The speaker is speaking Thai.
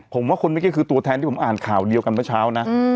ผมว่าคนเมื่อกี้คือตัวแทนที่ผมอ่านข่าวเดียวกันเมื่อเช้านะ